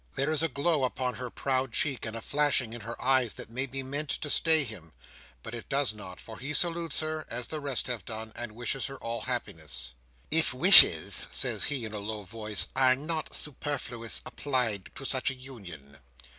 There is a glow upon her proud cheek, and a flashing in her eyes, that may be meant to stay him; but it does not, for he salutes her as the rest have done, and wishes her all happiness. "If wishes," says he in a low voice, "are not superfluous, applied to such a union."